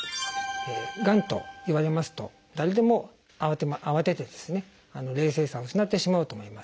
がんと言われますと誰でもあわてて冷静さを失ってしまうと思います。